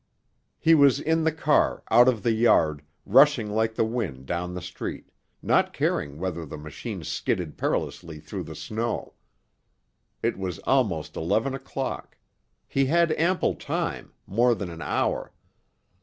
He was in the car, out of the yard, rushing like the wind down the street, not caring whether the machine skidded perilously through the snow. It was almost eleven o'clock; he had ample time, more than an hour.